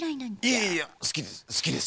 いいやすきです。